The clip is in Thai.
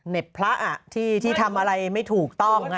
เหน็บพละที่ทำอะไรไม่ถูกต้อง